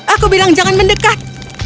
aku bilang jangan mendekat